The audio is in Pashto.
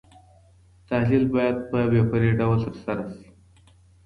تحلیل باید په بې پرې ډول ترسره سي.